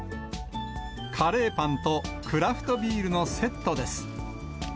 カレーパンとクラフトビールのセットです。